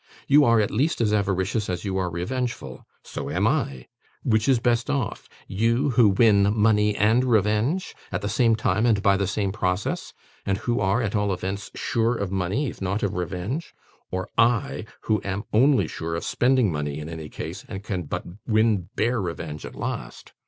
You are, at least, as avaricious as you are revengeful. So am I. Which is best off? You, who win money and revenge, at the same time and by the same process, and who are, at all events, sure of money, if not of revenge; or I, who am only sure of spending money in any case, and can but win bare revenge at last?